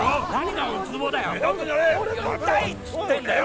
痛いっつってんだよ！